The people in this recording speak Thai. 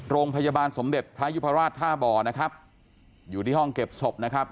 โรงพยาบาลสมเด็จพระยุพราชท่าบ่อนะครับอยู่ที่ห้องเก็บศพนะครับ